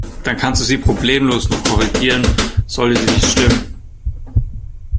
Dann kannst du sie problemlos noch korrigieren, sollte sie nicht stimmen.